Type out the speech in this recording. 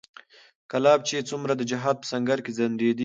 کلاب چې څومره د جهاد په سنګر کې ځنډېدی